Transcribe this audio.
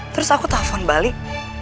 terus aku telfon balik